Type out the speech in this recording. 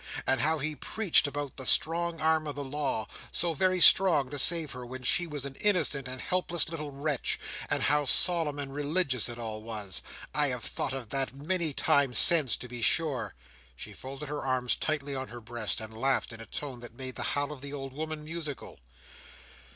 —and how he preached about the strong arm of the Law—so very strong to save her, when she was an innocent and helpless little wretch!—and how solemn and religious it all was! I have thought of that, many times since, to be sure!" She folded her arms tightly on her breast, and laughed in a tone that made the howl of the old woman musical.